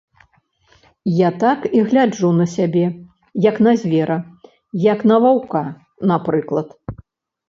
Я так і гляджу на сябе, як на звера, як на ваўка, напрыклад.